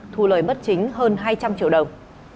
thu lời bất chính hơn hai trăm linh triệu đồng